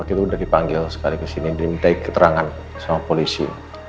waktu itu udah dipanggil sekali kesini diminta ikut terangan sama polisi